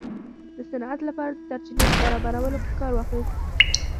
د صنعت لپاره د سرچینو په برابرولو کې کار واخیست.